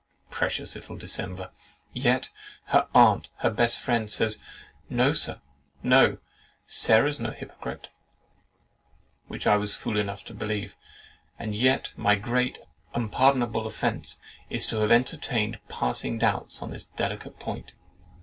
Precious little dissembler! Yet her aunt, her best friend, says, "No, Sir, no; Sarah's no hypocrite!" which I was fool enough to believe; and yet my great and unpardonable offence is to have entertained passing doubts on this delicate point.